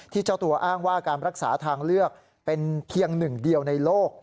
เจ้าตัวอ้างว่าการรักษาทางเลือกเป็นเพียงหนึ่งเดียวในโลก